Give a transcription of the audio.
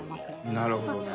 なるほどね。